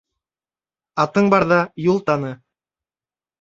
Атың барҙа юл таны